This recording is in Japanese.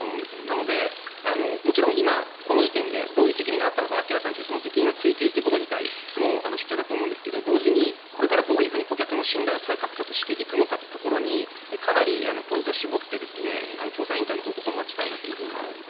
なので、もちろん今この時点でどういう責任があったのかを明らかにしてその責任の追及自体も必要だと思うんですが同時にこれからどうやって顧客の信頼を再獲得していくかにかなりポイントを絞って調査委員会の報告を待ちたいなと思います。